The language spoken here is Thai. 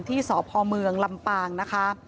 ที่สพเมืองลำปางนะคะ